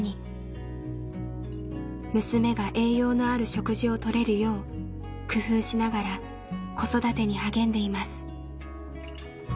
娘が栄養のある食事をとれるよう工夫しながら子育てに励んでいます。